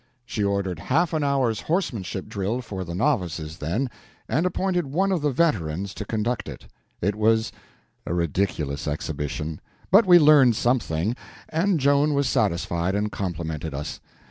She ordered half an hour's horsemanship drill for the novices then, and appointed one of the veterans to conduct it. It was a ridiculous exhibition, but we learned something, and Joan was satisfied and complimented us.